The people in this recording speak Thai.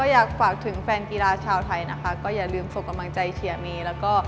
อยากฝากถึงแฟนกีฬาชาวไทยอย่าลืมส่งกำลังใจเชียร์เมย์